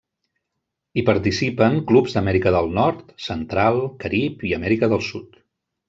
Hi participen clubs d'Amèrica del Nord, Central, Carib i Amèrica del Sud.